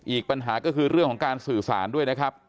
อีกปัญหาก็คือเรื่องของการสื่อสารด้วยนะครับ